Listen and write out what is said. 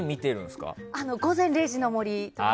「午前０時の森」とか。